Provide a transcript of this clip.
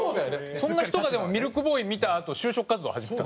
そんな人がでもミルクボーイ見たあと就職活動始めた。